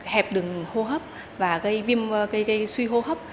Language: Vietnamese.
hẹp đừng hô hấp và gây suy hô hấp